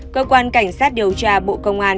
cơ quan cảnh sát điều tra bộ công an